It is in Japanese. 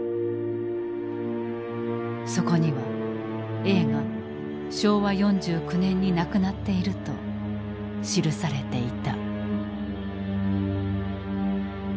そこにはＡが昭和４９年に亡くなっていると記されていた。